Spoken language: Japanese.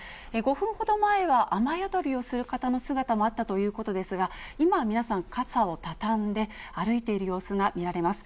５分ほど前は雨宿りをする方の姿もあったということですが、今は皆さん、傘を畳んで、歩いている様子が見られます。